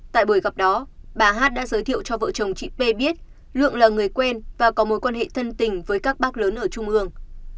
tại buổi gặp đó bà hát đã giới thiệu cho vợ chồng chị p biết lượng là người quen và có mối quan hệ thân tình với các bác lớn ở trung ương